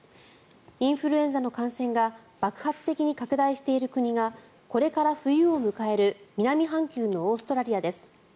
インフルエンザの感染が爆発的に拡大している国がこれから冬を迎える南半球のオーストラリアです。